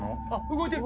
動いてる。